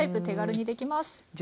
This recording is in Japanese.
手軽にできます。